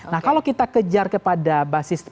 nah kalau kita kejar kepada basis